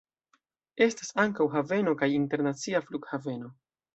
Estas ankaŭ haveno kaj internacia flughaveno.